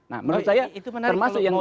nah menurut saya itu termasuk yang